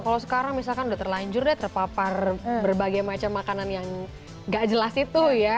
kalau sekarang misalkan udah terlanjur deh terpapar berbagai macam makanan yang gak jelas itu ya